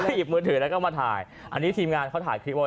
หยิบมือถือแล้วก็มาถ่ายอันนี้ทีมงานเขาถ่ายคลิปไว้